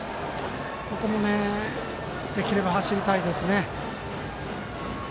ここもできれば走りたいですね。